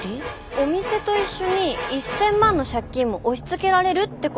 お店と一緒に１０００万の借金も押し付けられるって事ですね。